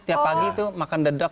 tiap pagi tuh makan dedek